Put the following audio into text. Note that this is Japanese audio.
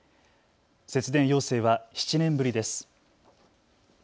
節電要請は７年ぶりです。